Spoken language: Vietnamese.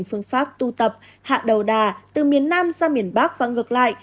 phương pháp tu tập hạ đầu đà từ miền nam sang miền bắc và ngược lại